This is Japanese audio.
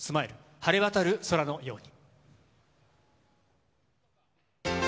晴れ渡る空のように』。